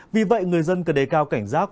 vì vậy người dân cần đề cao cảnh giác